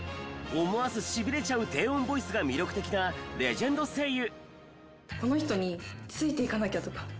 思わず痺れちゃう低音ボイスが魅力的なレジェンド声優。